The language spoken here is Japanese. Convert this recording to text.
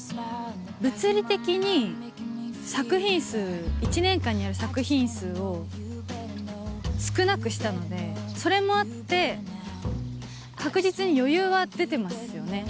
物理的に作品数、１年間にやる作品数を少なくしたので、それもあって、確実に余裕は出てますよね。